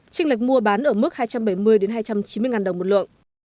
trinh lệch mua bán ở mức hai trăm bảy mươi hai trăm chín mươi ngàn đồng một lượng